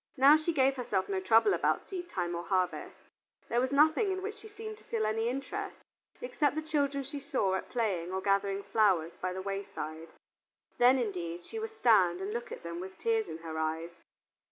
Now she gave herself no trouble about seedtime or harvest; there was nothing in which she seemed to feel any interest, except the children she saw at play or gathering flowers by the wayside. Then, indeed, she would stand and look at them with tears in her eyes.